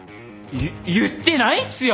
言ってないっすよ。